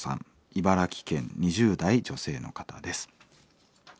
茨城県２０代女性の方です。